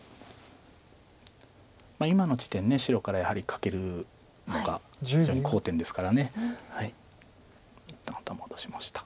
今の地点白からやはりカケるのが非常に好点ですから一旦頭を出しました。